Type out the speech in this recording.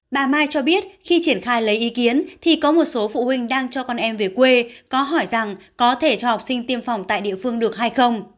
bà mai cho biết khi triển khai lấy ý kiến thì có một số phụ huynh đang cho con em về quê có hỏi rằng có thể cho học sinh tiêm phòng tại địa phương được hay không